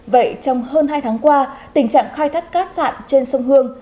vậy trong hơn hai tháng qua tình trạng khai thác cát sạn trên sông hương